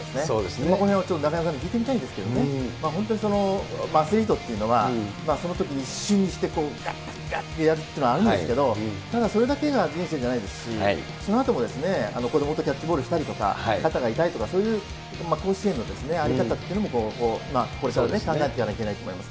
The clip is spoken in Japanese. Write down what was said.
そのへん、なかなか聞いてみたいんですけどね、本当にアスリートというのは、そのときに一瞬にして、がっがっがってやるっていうのはあるんですけど、ただ、それだけが人生じゃないですし、そのあとも、子どもとキャッチボールしたりとか、肩が痛いとか、そういう甲子園の在り方っていうのも、これから考えていかなければいけないと思います。